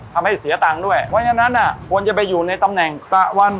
ทำให้เสียตังค์ด้วยเพราะฉะนั้นควรจะไปอยู่ในตำแหน่งตะวัน